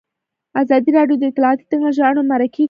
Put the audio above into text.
ازادي راډیو د اطلاعاتی تکنالوژي اړوند مرکې کړي.